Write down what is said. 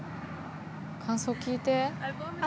感想聞いて。